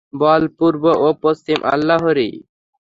বল, পূর্ব ও পশ্চিম আল্লাহরই।